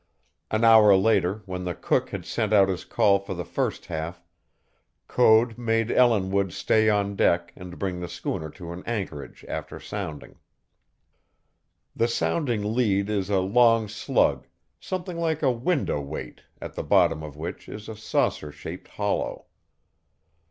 An hour later, when the cook had sent out his call for the first half, Code made Ellinwood stay on deck and bring the schooner to an anchorage after sounding. The sounding lead is a long slug, something like a window weight, at the bottom of which is a saucer shaped hollow.